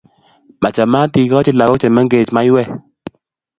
Machamaat ikochi lakok che mengech maiwek